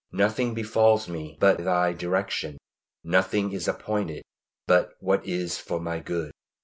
Nothing befalls me but by Thy direction; nothing is appointed but what is for my good.